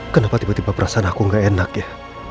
kenapa tiba tiba perasaan aku gak enak ya